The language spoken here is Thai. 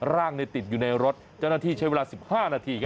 ร่างติดอยู่ในรถเจ้าหน้าที่ใช้เวลา๑๕นาที